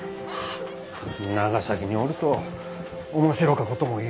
長崎におると面白かこともよう起こるし。